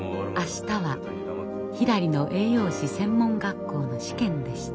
明日はひらりの栄養士専門学校の試験でした。